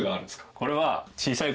これは。